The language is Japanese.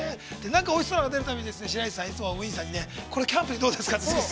なんかおいしそうなのが出るたびにね、白石さん、ウィンさんに、これキャンプにどうですかって。